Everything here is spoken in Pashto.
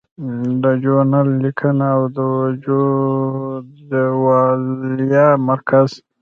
د جو نل لیکنه او د جو دیوالیه مرکز